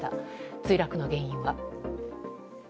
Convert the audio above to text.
墜落の原因は。